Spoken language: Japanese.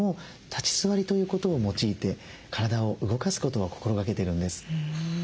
立ち座りということを用いて体を動かすことを心がけてるんです。